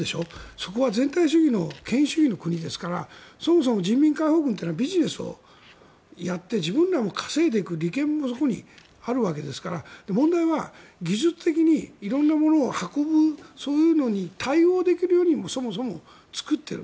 そこは全体主義の権威主義の国ですからそもそも人民解放軍というのはビジネスをやって自分たちで稼いでいくという利権もそこにあるわけですから問題は技術的に色んな物を運ぶそういうのに対応できるようにそもそも作っている。